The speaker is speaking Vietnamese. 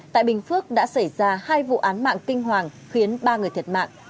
tại bình phước đã xảy ra hai vụ án mạng kinh hoàng khiến ba người thiệt mạng